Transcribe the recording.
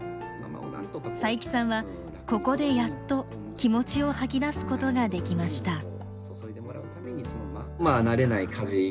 佐伯さんはここでやっと気持ちを吐き出すことができました。